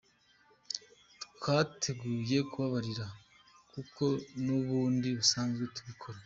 Twiteguye kubababarira kuko n’ubundi dusanzwe tubikora.